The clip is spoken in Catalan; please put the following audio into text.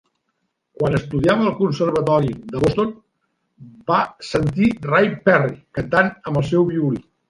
Quan estudiava al Conservatori de Boston, va sentir Ray Perry cantant amb el seu violí.